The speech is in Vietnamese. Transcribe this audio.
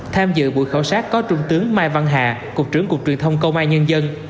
tham dự buổi khảo sát có trung tướng mai văn hà cục trưởng cục truyền thông công an nhân dân